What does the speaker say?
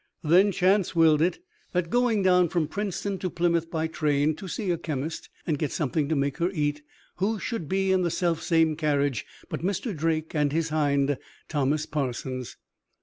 Then chance willed it that, going down from Princetown to Plymouth by train to see a chemist, and get something to make her eat who should be in the selfsame carriage but Mr. Drake and his hind, Thomas Parsons.